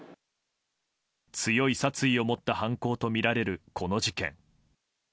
強い殺意を持った犯行とみられるこの事件。